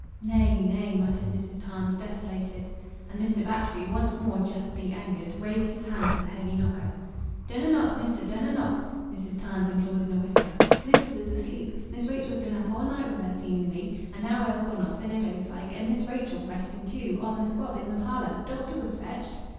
"Nay, nay!" muttered Mrs. Tarns, desolated. And Mr. Batchgrew, once more justly angered, raised his hand to the heavy knocker. "Dunna' knock, mester! Dunna' knock!" Mrs. Tarns implored in a whisper. "Missis is asleep. Miss Rachel's been up aw night wi' her, seemingly, and now her's gone off in a doze like, and Miss Rachel's resting, too, on th' squab i' th' parlor. Doctor was fetched."